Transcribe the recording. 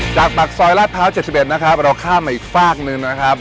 ปากซอยลาดพร้าว๗๑นะครับเราข้ามมาอีกฝากหนึ่งนะครับ